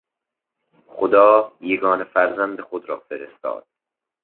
خدا، یگانه فرزند خود را فرستاد.